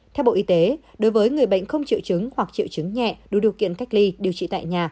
theo bộ y tế đối với người bệnh không triệu chứng hoặc triệu chứng nhẹ đủ điều kiện cách ly điều trị tại nhà